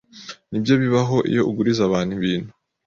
Nibyo bibaho iyo uguriza abantu ibintu.